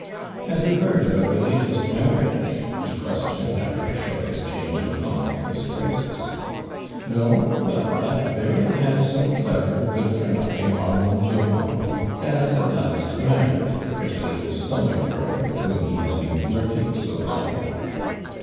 "Have you hoard about the latest mar riage?" he questioned, aftt'r a short ox t'.hange of commonplace phrases. " No I Well, that very handsome, clever, good for nothing Armand Durand, has at last mar ried the pretty little sewing girl with whom ho has been flirting so long."